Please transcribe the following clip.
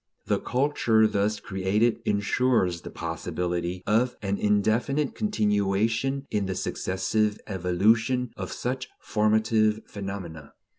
The culture thus created ensures the possibility of an indefinite continuation in the successive evolution of such formative phenomena.